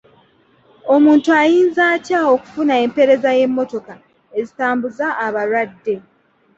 Omuntu ayinza atya okufuna empeereza y'emmotoka ezitambuza abalwadde?